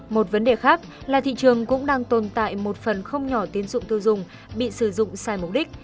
một vấn đề khác là thị trường cũng đang tồn tại một phần không nhỏ tiến dụng tiêu dùng bị sử dụng sai mục đích